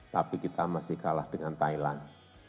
tapi kita masih kalah dengan thailand